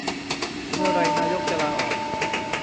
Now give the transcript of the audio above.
เมื่อไรนายกจะลาออก